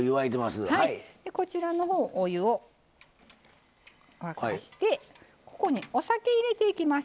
こちらの方お湯を沸かしてここにお酒入れていきます。